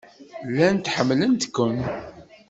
Llant ḥemmlent-kem.